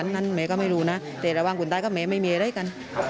อันนั้นแม่ก็ไม่รู้นะ